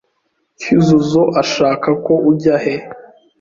Cyuzuzo ashaka ko ujya he?